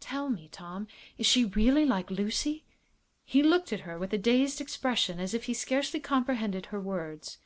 "Tell me, Tom, is she really like Lucy?" He looked at her with a dazed expression, as if he scarcely comprehended her words.